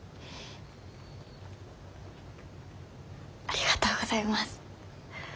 ありがとうございます。